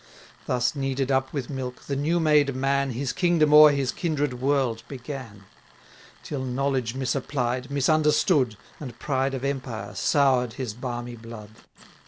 Thus kneaded up with milk, the new made man His kingdom o'er his kindred world began: Till knowledge misapplied, misunderstood, And pride of empire, sour'd his balmy blood.